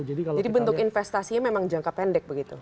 bentuk investasinya memang jangka pendek begitu